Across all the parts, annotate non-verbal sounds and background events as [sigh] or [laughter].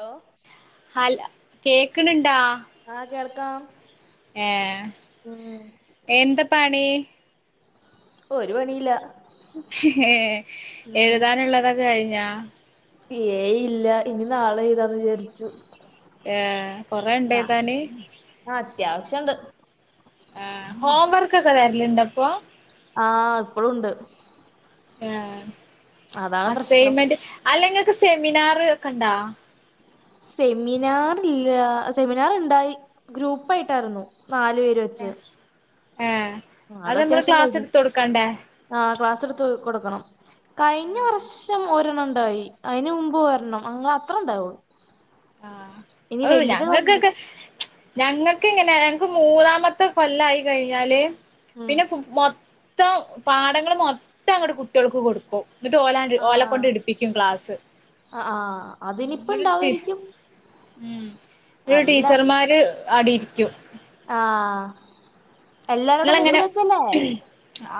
Hello Hala കേക്കണ് ണ്ടാ ആഹ് കേൾക്കാം ഏഹ് ഉം എന്താ പണി? ഓ ഒരു പണിയില്ല. ഏഹ് ഉം എഴുതാനുള്ളതൊക്കെ കഴിഞ്ഞാ? ഏയ് ഇല്ല ഇനി നാളെ എഴുതാന്ന് വിചാരിച്ചു. ഏ കൊറെ ഉണ്ട് എഴുതാന് [unintelligible] ആഹ് അത്യാവശ്യം ഉണ്ട് ആഹ് ഹോം വർക്ക് ഒക്കെ തിരലുണ്ടോ ഇപ്പൊ ആഹ് ഇപ്പോഴുണ്ട്. ആഹ് അതാണ് പ്രശ്നം അസൈൻമെന്റ് അല്ലെങ്കി നിങ്ങക്ക് സെമിനാർ ഒക്കെ ഉണ്ടാ? സെമിനാറില്ല സെമിനാറുണ്ടായി. ഗ്രൂപ്പ് ആയിട്ടായിരുന്നു നാല് പേര് വെച്ച് ആഹ് അത് നമ്മള് ക്ലാസ്സ് എടുത്തു കൊടുക്കണ്ടേ? ആഹ് ക്ലാസ് എടുത്ത് കൊടുക്കണം കഴിഞ്ഞ വർഷം ഒരു ഒരെണ്ണം ഉണ്ടായി അതിന് മുമ്പ് ഒരണ്ണം അങ്ങനെ അത്രണ്ടാവൂ. ആഹ് ഓ കഴിഞ്ഞു ഞങ്ങൾക്കൊക്കെ ഞങ്ങൾക്കിങ്ങെനെ ഞങ്ങൾക്ക് മൂന്നാമത്തെ കൊല്ലായി കഴിഞ്ഞാല്. ഉം പിന്നെ ഫു മൊത്തം പാടങ്ങള് മൊത്തം അങ്ങോട്ട് കുട്ട്യേൾക്ക് കൊടുക്കും. എന്നിട്ട് ഓല ഓല കൊണ്ട് ആഹ് എടുപ്പിക്കും ക്ലാസ്സ് ആ ആ അതിനിപ്പ എന്നിട്ട് തി ഇണ്ടാവായിരിക്കും ഉം [unintelligible] അറിയില്ല ടീച്ചർമാര് അവിടെ ഇരിക്കും ആഹ് എല്ലാരുടെ മുമ്പിൽ ഇങ്ങളെനെ വെച്ചല്ലേ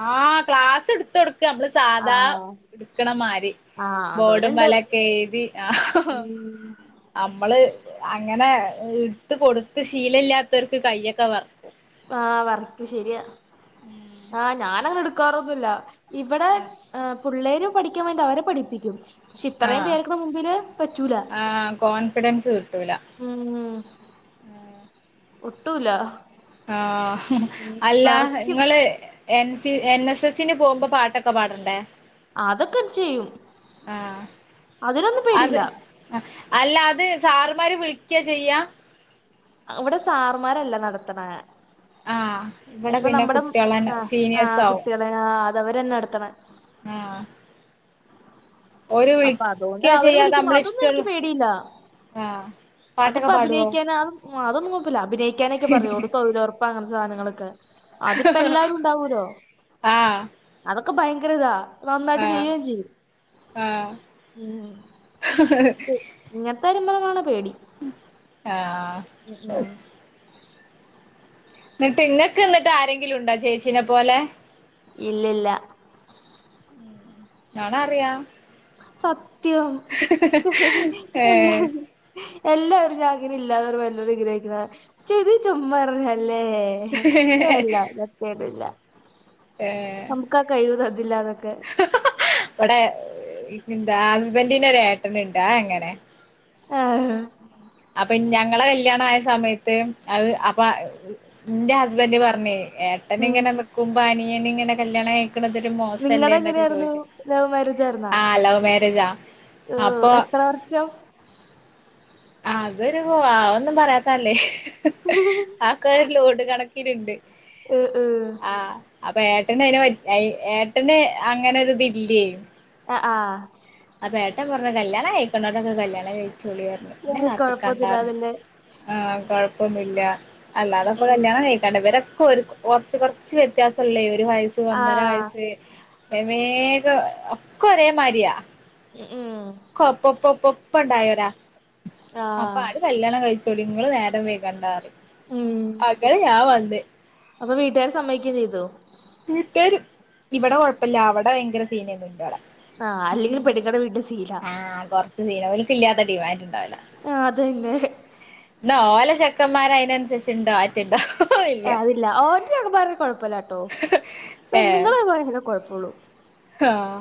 ആഹ് ക്ലാസ് ട്ത്തൊട്ക്ക മ്മള് സാധാ ആഹ് ട്ക്കണ മാരി ആഹ് ബോഡും അതോരുണ്ട് മലൊക്കെ എയ്തി ഉം നമ്മള് അങ്ങനെ ഇട്ട് കൊടുത്ത് ശീല ഇല്ലാത്തവർക്ക് കയ്യൊക്കെ വർ ആഹ് വറക്കും ശരിയാ ആഹ് ഞാനങ്ങനെ എടുക്കാറൊന്നുല്ല. ഇവിടെ ആഹ് പുള്ളേര് പഠിക്കാൻ വേണ്ടി അവരെ പഠിപ്പിക്കും. പക്ഷെ ഇത്രയും ആഹ് പേർക്കടെ മുമ്പില് പറ്റൂല ആഹ് കോൺഫിഡൻസ് കിട്ടൂല. ഉം ഉം ഒട്ടൂല ആഹ് ഉം അല്ല വരയ്ക്കും ഇങ്ങള് N C N S S സന് പോകുമ്പോ പാട്ടൊക്കെ പാടണ്ടേ? അതൊക്കെ ചെയ്യും ആഹ് അതിലൊന്നും അത് പേടിയില്ല. അല്ല അത് സാറമാര് വിളിക്ക ചെയ്യാ ഇവടെ സാർമാരല്ല നടത്തണെ ആഹ് ഇവിടെ ഇപ്പൊ പിന്നെ നമ്മടെ കുട്ടികളന്നെ ആ ആ സീനിയേഴ്സ് ആവും കുട്ടികളെ അതവര്ന്നെ നടത്തണെ ആഹ് ഓര് അപ്പൊ അതോണ്ട് വിളിക്ക അവര് ചെയ്യാതെ വിളിക്കും. നമ്മള് അതൊന്നും എനിക്ക് ഇഷ്ടള്ളു പേടിയില്ല. ആഹ് അതിപ്പ പാട്ടൊക്കെ പാടുവോ അഭിനയിക്കാന അ അതൊന്നും കൊഴപ്പല്ല. അഭിനയിക്കാനൊക്കെ പറയോള്ളൂ ഓള് തൊഴിലുറപ്പ അങ്ങനത്തെ സാധനങ്ങളൊക്കെ. അതിപ്പോ എല്ലാരും ഉണ്ടാവൂലോ? ആഹ് അതൊക്കെ ഭയങ്കര ഇതാ നന്നായിട്ട് ആഹ് ചെയ്യുകയും ചെയ്യും ആഹ് ഇങ്ങനത്തെരുമ്പതണ പേടി ആഹ് ആഹ് ഉം ഉം എന്നിട്ട് ഇന്നക്ക എന്നിട്ട് ആരെങ്കിലും ഉണ്ടോ ചേച്ചിനെ പോലെ ഇല്ലില്ല നൊണറയാ സത്യം എല്ലാ ഏഹ് എല്ലാവരും ആഗ്രഹ ഇല്ലാതെവരു വല്ല വിഗ്രഹിക്കുന്ന ചെത് ചുമ്മാർ ഞാല്ലേ ഏഹ് അള്ളാ സത്യായിട്ടും ഇല്ലാ ഏഹ് എന്നൊക്കെ ഇവിടെ എന്താ അസ്ബന്റിീനര ഏട്ടനണ്ടാ അതങ്ങനെ ആഹ് അപ്പൊ ഞങ്ങളെ കല്യാണ ആയ സമയത്ത് അത് അപ്പ എന്റെ ഹസ്ബൻഡറ് പറഞ്ഞ ഏഹ് അെ ഉം ഇങ്ങെക്കും പാനീയാനിങ്ങനെ കല്യാണം രു മോശല്ലേ നിങ്ങടെ എന്നൊക്കെ എങ്ങനെയായിരുന്നു ചോദിച്ചു ലവ് ആഹ് ലവ് മാരേജ ആഹ് എത്ര വർഷം അതൊരു ആ ഒന്നും പറയാത്തല്ലേ ആക്ക ഒരു ലോഡ് കണക്ക ഇനണ്ട് ഉം ഉം ആഹ് അപ്പൊ ഏട്ടന് അതി ഏട്ടന് അങ്ങനെ ഒരുതില്ലയേ ആഹ് അപ്പ ഏട്ട പറഞ്ഞ കല്യാണം കഴിക്കൊണ്ടോടൊക്കെ കല്യാണം കഴിച്ചുോളിയായിരുന്നു പിന്നെ ഏഹ് കാത്ത കണ്ടാറഞ്ഞു കൊഴപ്പൊന്നുല്ലാതന്നെ ആഹ് കൊഴപ്പൊന്നുല്ല ആഹ് അല്ലാതെപ്പോൊ ഉം കല്യാണം കേക്കാണ്ടവരൊക്കെക്കും കൊറച്ച് കൊറച്ച് വ്യത്യാസംല്ലേ ഒരു വയസ്സ് ആ ഒന്നര വയസ്സ് വേഗം ഒക്കെ ഒരേ മാരിയാ ഉം കൊപ്പൊപ്പപ്പപ്പ ഇണ്ടായോരാ അപ്പൊ ആഹ് ആട് കല്യാണം കഴിച്ചു ങ്ങൾ നേരം വേകണ്ടാറി ഉം അങ്ങനെ ഞാൻ വന്ന് അപ്പൊ വീട്ടുകാർ സമ്മയ്കയും ചെയ്തൊ ഇവിടെ കൊഴപ്പല്ല അവടെ ഭയങ്കര സീനൊന്ന ഇന്റോടെ ആഹ് അല്ലെങ്കിൽ പെണ്ണുങ്ങടെ വീട്ടിൽ ശീല ആഹ് കൊറച്ച് സീന ഓൽക്ക ഇല്ലാത്ത ഡിമാന്റ്ണ്ടാവല ആഹ് അതന്നെ എന്ന ഓല ശക്കന്മാര അതിനനുസരിച്ചുണ്ടോ ആറ്റുണ്ടോ ല്ല ഇല്ല ഓറ്റ കുഴപ്പമില്ലാട്ടോ ഏഹ് പെണ്ണുങ്ങള അതുപെ കുഴപ്പള്ളൂ ആഹ്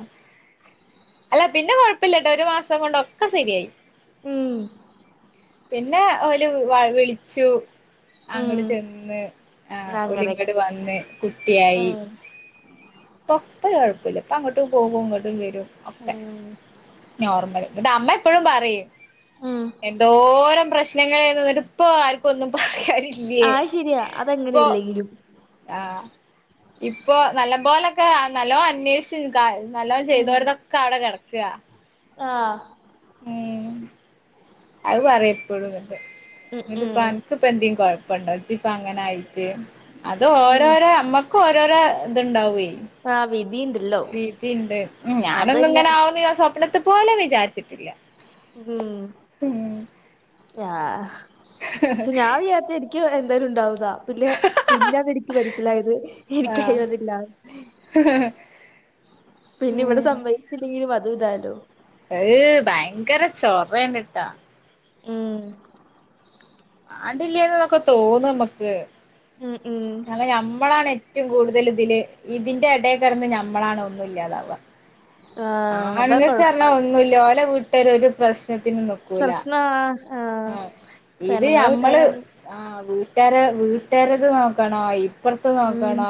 അല്ല പിന്നെ കൊഴപ്പല്ലട്ടോ ഒരു മാസം കൊണ്ടൊക്കെ ശരിയായി ഉം പിന്നെ ഓല വ വിളിച്ചു ഉം അങ്ങോട് ചെന്ന് ആ അങ്ങനെയൊക്കെ ഒലങ്ങട് വന്ന് കുട്ടിയായി ഉം പൊപ്പ കുഴപ്പല്ല അപ്പ അങ്ങോട്ടും പോകും ഇങ്ങോട്ടും വരും ഒക്കെ ഉം നോർമൽ എന്നട്ട് അമ്മ എപ്പോഴും പറയും ഉം എന്തോരം പ്രശ്നങ്ങളെയ്ന്ന് ന്നിട്ട് ഇപ്പൊ ആർക്കൊന്നും പറയാനില്ലേ ആഹ് ശരിയാ ഇപ്പൊ അതങ്ങനെയല്ലെങ്കിലും ആഹ് ഇപ്പോ നല്ല പോലൊക്കെ നല്ലോ അന്വേഷിച്ചുക്ക നല്ലോ ഉം ചെയ്തോരതൊക്കെ അവിടെ കിടക്ക ആഹ് ഉം അത് പറയപ്പോഴ എന്നണ്ട് ഉം ഉം എന്നിട്ടിപ്പ അൻക്ക്പ്പ എന്തെ കൊഴപ്പണ്ടോ ജ് ഇപ്പ അങ്ങനയി ട്ട് അത് ഉം ഓരോരോ അമ്മക്കും ഓരോരോ ഇത്ണ്ടാവേ ആഹ് വിധിണ്ട് വിധിണ്ട് ഉം ഞാനൊന്നും ഇങ്ങനെ ആവുന്ന് ഞാൻ സ്വപ്നത്തി പോലും വിചാരിച്ചിട്ടില്ല ഉം ഉം ആഹ് ഞാൻ വിചാരിച്ച് എനിക്ക് എന്തേലും ഉണ്ടാവുന്നാ പിന്നെ പിന്നാന്ന് എനിക്ക് മനസ്സിലായത് ആഹ് എനക്ക്ഴിയുന്നില്ല പിന്നെ ഇവിടെ സംഭവച്ചില്ലെങ്കിൽ അതും ഇതാലോ ഏ ഭയങ്കര ചോറേണ് ട്ടാ ഉം മാണ്ടില്ലേന്നൊക്കെ തോന്നു നമ്മക്ക് ഉം ഉം കാണം നമ്മളാണ് ഏറ്റവും കൂടുതൽ ഇതില് ഇതിന്റെ ഇടയി കറന്ന് നമ്മളാണ് ഒന്നും ഇല്ലാണ്ടാവ ആ ആഹ് അതാ കൊഴപ്പം ആണുങ്ങൾക്കരണം ഒന്നില്ല ഓലെ വീട്ടരു ഒരു പ്രശ്നത്തിന് നി ല്ല പ്രശ്നാ ആഹ് ഇത് പെണ്ണുങ്ങളെ അമ്മള് വീട്ടുകാരാണ് ആഹ് വീട്ടാരെ വീട്ടാരത് നോക്കണം ഇപ്പർത്ത് ഉം നോക്കണം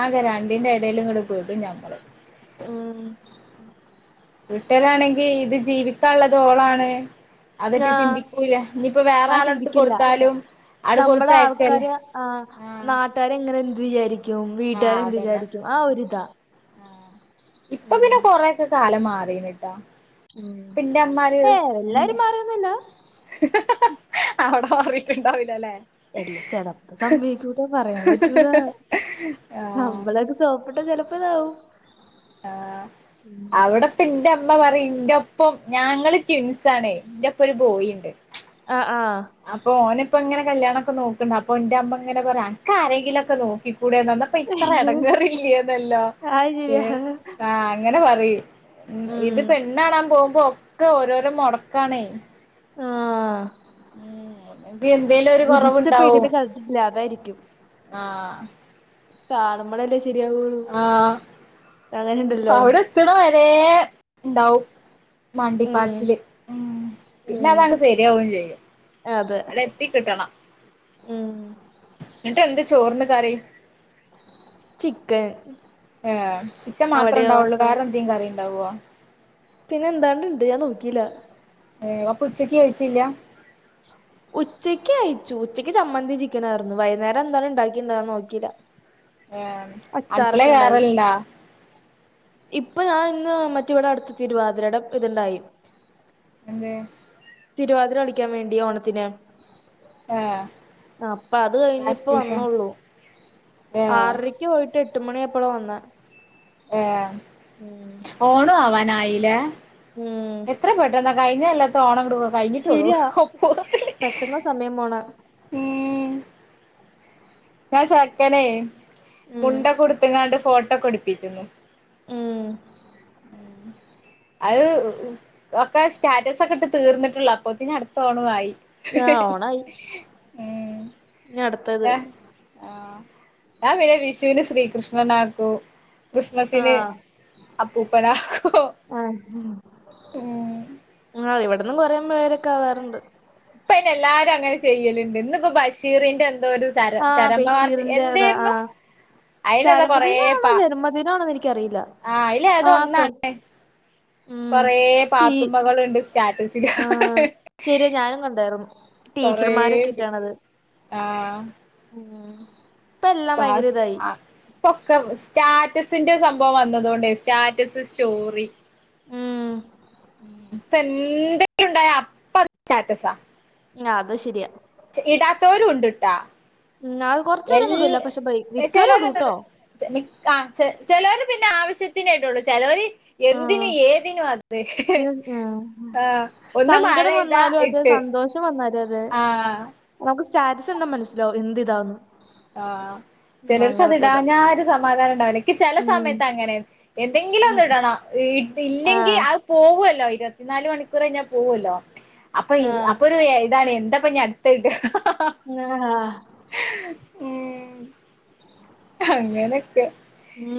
ആകെ രണ്ട് അതിന്റെ ഇടയിലു ഇങ്ങള് പെടും ഞമ്മളും ഉം വീട്ടരാണെങ്കി ഇത് ജീവിക്കാള്ളത് ഓളാണ് അതൊട്ടെ ആഹ് ചിന്തിക്കൂല്ല ഇനിയിപ്പ വേറെ അത് ആള അടുത്ത് ചിന്തിക്കില്ല കൊടുത്താലും ആടെ നമ്മടെ കൊടുത്തയക്കല്ലേ ആൾക്കാര് ആഹ് നാട്ടുകാര് എങ്ങനെ എന്ത് വിചാരിക്കും ആഹ് വീട്ടുകാര് എന്ത് അതന്നെ വിചാരിക്കും ആ ഒരിതാ ആഹ് ഇപ്പൊ ഉം പിന്നെ കൊറേയൊക്കെ കാലം മാറീണ് കേട്ടാ ഉം ഏ എല്ലാരും മാറിയൊന്നുമില്ല അവിടെ മാറീട്ടുണ്ടാവൂല്ലല്ലേ അല്ല ചെലപ്പോ സമ്മയ്ക്കൂല പറയാൻ പറ്റൂലാ ആഹ് നമ്മള സോപ്പിട്ടാ ചിലപ്പോ ഇതാവും ആഹ് അവിടെ ഇപ്പ എന്റെ അമ്മ പറയും ഇന്റെ ഒപ്പം ഞങ്ങള് ട്വിൻസ് ആണ് ഇന്റെ ഒപ്പം ഒരു ബോയിണ്ട് ആഹ് ആഹ് അപ്പൊ ഓന് ഇപ്പോ ഇങ്ങനെ കല്യാണൊക്കെ നോക്കണ്ട് അപ്പ എന്റെ അമ്മ ഇങ്ങനെ പറയും അനക്ക്‌ ആരെയെങ്കിലൊക്കെ നോക്കി കൂടെ [unintelligible] അപ്പൊ ഇത്ര അയ്യോ ഇടങ്ങാറല്ലേയേനല്ലോ അത് ഏ ശരിയാ ആഹ് അങ്ങനെ പറയും ഉം ഇത് പെ പെണ്ണ് കാണാൻ പോകുമ്പോ ഒക്കെ ഓരോരോ മൊടക്കാണേ ആഹ് ഉം ഇത് എന്തേലും ഒരു വിധിച്ച കൊറവുണ്ടാവും പെണ്ണിനെ കണ്ടിട്ടില്ല ആഹ് കാണുമ്പോളല്ലേ ശെരിയാവുള്ളു അങ്ങനൊണ്ടല്ലോ ത്തണ വരേ ഇണ്ടാവും ഉം മണ്ടിപ്പാച്ചില് ഉം പിന്നെ ഉം അതങ്ങ് ശരിയാവുവേയും ചെയ്യും അതെ ത്തി കിട്ടണം ഉം എന്നിട്ട് എന്താ ചോറിന് കറി ചിക്കൻ ഏ ചിക്കൻ മാത്രേ അവിടെയോ ഉണ്ടാവൊള്ളോ വേറെ എന്തേലും കറി ഉണ്ടാവോ പിന്നെ എന്താണ്ട് ഉണ്ട് ഞാൻ നോക്കിയില്ല ഏ അപ്പൊ ഉച്ചക്ക് കഴിച്ചില്ല ഉച്ചയ്ക്ക് കഴിച്ചു ഉച്ചക്ക് ചമ്മന്തിയും ചിക്കനുമായിരുന്നു വൈകുന്നേരം എന്താലും ഉണ്ടാക്കി ഉണ്ടോന്ന് നോക്കിയില്ല ഏ അടുക്കളേൽ അച്ചാറൊക്കെ ഉണ്ടായി കേറലുണ്ടോ ഇപ്പൊ ഞാൻ ഇന്ന് മറ്റേ ഇവിടെ അടുത്ത് തിരുവാതിരേടെ ഇതുണ്ടായി എന്ത് തിരുവാതിര കളിക്കാൻ വേണ്ടി ഓണത്തിന് ഏഹ് അപ്പൊ അത് കഴിഞ്ഞ് ഇപ്പൊ പ്രാക്ടീസാ വന്നേയുള്ളൂ ഏഹ് ആറര ക്ക് പോയിട്ട് എട്ട് മണി ആയപ്പോളാ വന്നേ ആഹ് ഉം ഓണം ആവാനായില്ലേ ഉം എത്ര പെട്ടെന്നാ കഴിഞ്ഞ കൊല്ല ത്തെ ഓണം തോ കഴിഞ്ഞിട്ടേയുള്ളൂ അപ്പൊ പെട്ടെന്ന് സമയം പോണ് ഉം ആഹ് ചെക്കനേ ഉം മുണ്ടൊക്കെ എടുത്തങ്ങാണ്ട് ഫോട്ടോയൊക്കെ എടുപ്പിച്ചെന്ന് ഉം ഉം അത് ഒക്കെ സ്റ്റാറ്റസ് ഒക്കെ ഇ ട്ട് തീർന്നിട്ടില്ല അപ്പഴത്തേക്കും അടുത്ത ഓണമായി ആഹ് ഓണം ആയി ഉം ആഹ് ഞാൻ പിന്നെ വിഷൂന് ശ്രീകൃഷ്ണന് ആക്കും ആ ക്രിസ്മസിന് അപ്പൂപ്പനാക്കും ആഹ് ഉം ആഹ് ഇവിടുന്നും കൊറേ പേരൊക്കെ ആവാറുണ്ട് ഇപ്പവൊക്കെ എല്ലാരും അങ്ങനെ ചെയ്യലുണ്ട് ഇന്നിപ്പോ ബഷീറിന്റെ എന്തോ ഒരു ചരം ആ ചരമവാർഷികം ബഷീറിന്റെ അതാ ആ എന്തായിരുന്നു അതിനൊക്കെ കൊറേ ചരമദിനാണോ പാ ജന്മദിനാണോന്ന് എനിക്കറിയില്ല ആഹ് അതിലേതോ ആ കൊർ ഒന്നാണ് ഉം കൊറേ ടീ പാത്തുമ്മകളുണ്ട് സ്റ്റാറ്റസില് ശരിയ ഞാനും കണ്ടായിരുന്നു. കൊറേണ്ട് ടീച്ചർമാരൊക്കെടട്ടേണത്. ആഹ് ഉം. ഇപ്പ എല്ലാം ഭയങ്കര പാസ് ഇതായി ആഹ്. പൊക്ക സ്റ്റാറ്റസിന്റെ സംഭവം വന്നതൊണ്ടേയ് സ്റ്റാറ്റസ് സ്റ്റോറി. ഉം പ്പന്തേങ്കിലുണ്ടായ അപ്പ സ്റ്റാറ്റസാ. ആഹ് അത് ശരിയാ. ഇടാത്തവരുഉണ്ട്ട്ടാ. ഉം അത് കൊർച്ചുരൊന്നും ഇടൂല്ല പക്ഷേ മിക്കവരും ഇടൂട്ടോ. ചെ മി ആഹ് ഛെ ചെലവര് പിന്നെ ആവശ്യത്തിനേടുള്ളു ചെലോര് ആഹ് എന്തിനും ഏതിനും അത് പിന്നെ ഉം ആഹ് ഒന്ന് മഴയ്താ ഇട്ട് വന്നാലു അതെ, ആഹ് നമുക്ക് സ്റ്റാറ്റസ് കണ്ട മനസ്സിലാവും. എന്തിതാന്ന് ആഹ്. ചെലോർക്ക് അത് ഇടാഞ്ഞ ഒരു സമാധാനം ഉണ്ടാവില്ല, ക്ക് ചെല ഉം സമയത്ത് അങ്ങനെ, ഉം എന്തെങ്കിലൊന്ന്ടണം. ഈ ഇട്ടില്ലെങ്കി ആഹ് അത് പോകുല്ലോ ഇ പത് നാല് മണിക്കൂറയ്ഞ പോവല്ലോ അപ്പൊ ഇ ആഹ് അപ്പൊരു താണ് എന്താപ്പ ഞൻടു ത്തത് ടാ ങ് ഹഹഹ്. ഉം അങ്ങനൊക്കെ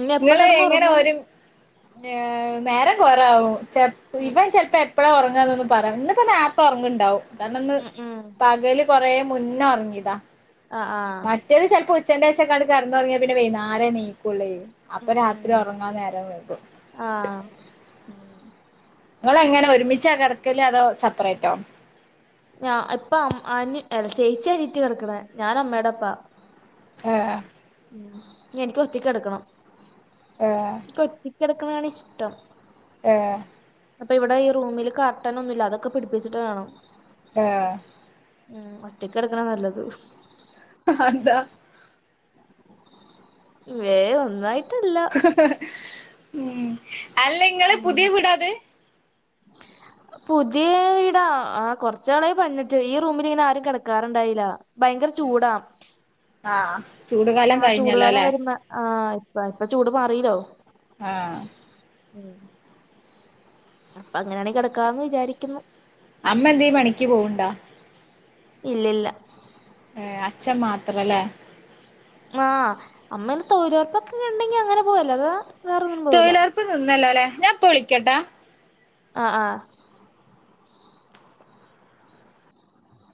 ഇനി എപ്പ ങ്ങള് എങ്ങനെ കിടന്നുറങ്ങും? ഒരു നേരം കൊറേ ആവും ച ഉം ഇവൻ ചെൽപ്പെപ്പഴാഒറങ്ങാനൊന്നു- പറ്യൻ ന്ന്പ്പ നേർത്തൊർങ്ണ്ടാവും. കാരണംന്ന് ഉം ഉം പകല് കൊറെ മുന്നൊർങ്ങിതാ. അഹ് ആഹ്. ചെലീസൽപ്പോ ഉച്ചൻെശൊക്കാണ്ട് കടന്നൊറങ്ങിയാ പിന്നെ വൈന്നാരെ നീക്കുള്ളേ. ഉം അപ്പ ഉം രാത്രി ഒറങ്ങാ നേരം വൈകും. ആഹ് ങ്ങളെങ്ങനെ ഒരുമിച്ചാ കെടക്കല് അതോ സപ്പറേറ്റോ. ഞാ എപ്പ അം അനി ചേച്ചി അനിയത്തിയ കെടക്കണ ഞാൻ അമ്മേടെപ്പാ. ഏഹ്. ഉം എനിക്ക് ഒറ്റക്ക് കെടക്കണം ഏഹ് എനിക്ക് ഒറ്റക്ക് കെടക്കണാണിഷ്ടം. ഏഹ്. പ്പെവിടെ ഈ റൂമില് കർട്ടനൊന്നുല്ല അതൊക്കെ പിടിപ്പിച്ചിട്ട് വേണം. ഏഹ്. ഉം ഒറ്റക്ക്ടക്കണ നല്ലത്. അതെന്താ. വേ ഒന്നു ആയിട്ടല്ല. ഉം അല്ലങ്ങള് ഉം പുതിയ വീടാത്. പുത്യേ വീടാ ആഹ് കൊർച്ചാളായി പൺഞ്ഞിട്ട് ഈ റൂമിലിങ്ങനെ ആരും കെ ടക്കാറ്ണ്ടായില ഭയങ്കര ചൂടാ ആഹ് ചൂട് കാലം കഴിഞ്ഞല്ലോ ല്ലെ ആഹ് ഇപ്പ ഇപ്പ ചൂട് മാറിലോ ആഹ് ഉം അപ്പങ്ങനാണങ്കി കടക്കാന്ന് വിചാരിക്കുന്നു അമ്മന്തേ പണിക്ക് പോവ്ണ്ടാ ഇല്ലില്ല ഏഹ് അച്ഛം മാത്രലേ ആഹ് അമ്മങ്ങനെ തൊഴിലൊറപ്പൊക്കെ ഇങ്ങനെ ഇണ്ടെങ്കി അങ്ങനെ പോവും അല്ലാതെ തൊഴിലൊറപ്പ് നിന്നല്ലോലെ ഞാൻ ഇപ്പ വിളിക്കട്ടാ ആഹ് ആഹ്